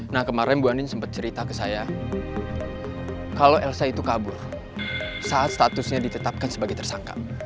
nah kemarin bu anin sempat cerita ke saya kalau elsa itu kabur saat statusnya ditetapkan sebagai tersangka